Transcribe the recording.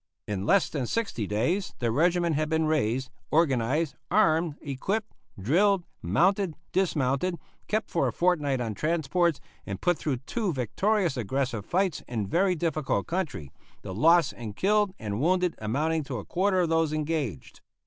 In less than sixty days the regiment had been raised, organized, armed, equipped, drilled, mounted, dismounted, kept for a fortnight on transports, and put through two victorious aggressive fights in very difficult country, the loss in killed and wounded amounting to a quarter of those engaged.